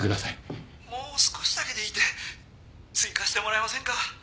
もう少しだけでいいんで追加してもらえませんか？